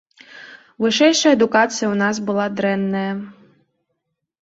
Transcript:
Вышэйшая адукацыя ў нас была дрэнная.